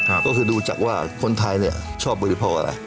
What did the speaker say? ก็คือดูจากว่าคนไทยเนี่ยชอบบริโภคอะไร